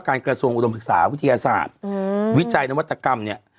กระทรวงอุดมศึกษาวิทยาศาสตร์วิจัยนวัตกรรมเนี่ย